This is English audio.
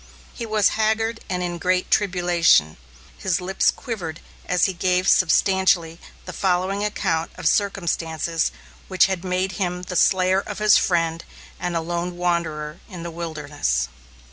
He was haggard and in great tribulation. His lips quivered as he gave substantially the following account of circumstances which had made him the slayer of his friend, and a lone wanderer in the wilderness.